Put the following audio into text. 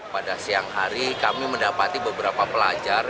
pada siang hari kami mendapati beberapa pelajar